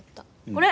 これ！